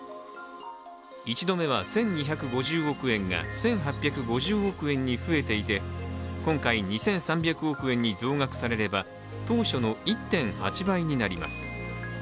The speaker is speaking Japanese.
１度目は１２５０億円が１８５０億円に増えていて、今回、２３００億円に増額されれば当初の１．８倍になります。